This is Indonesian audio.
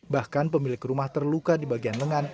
bahkan pemilik rumah terluka di bagian lengan